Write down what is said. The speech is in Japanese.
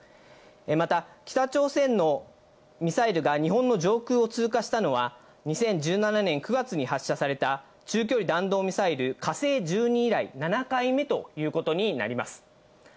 また北朝鮮のミサイルが日本の上空を通過したのは２０１７年９月に発射された中距離弾道ミサイル「火星１２」以来、７回目ということになります。